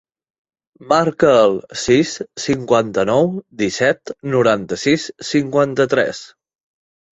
Marca el sis, cinquanta-nou, disset, noranta-sis, cinquanta-tres.